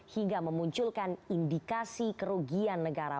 hingga memunculkan indikasi kerugian negara